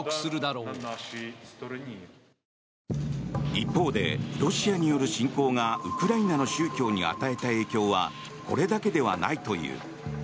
一方で、ロシアによる侵攻がウクライナの宗教に与えた影響はこれだけではないという。